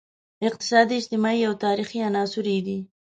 اقتصادي، اجتماعي او تاریخي عناصر یې دي.